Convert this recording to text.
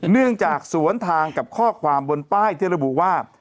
เนื่องจากสวนทางกับข้อความบนป้ายที่ระบุว่า